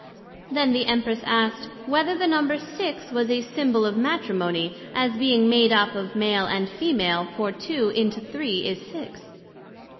Then the Empress asked, Whether the number of six was a symbole of Matrimony, as being made up of Male and Femal, for two into three is six.